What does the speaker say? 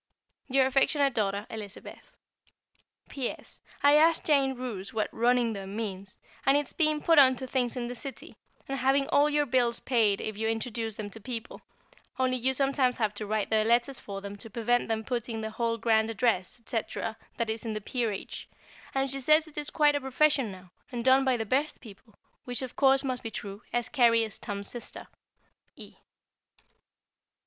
Your affectionate daughter, Elizabeth. P.S. I asked Jane Roose what "running them" means, and it's being put on to things in the City, and having all your bills paid if you introduce them to people; only you sometimes have to write their letters for them to prevent them putting the whole grand address, &c., that is in the Peerage; and she says it is quite a profession now, and done by the best people, which of course must be true, as Carry is Tom's sister. E.